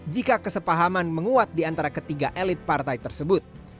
jika kesepahaman menguat di antara ketiga elit partai tersebut